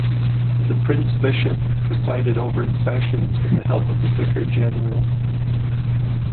The prince-bishop presided over its sessions with the help of the vicar-general.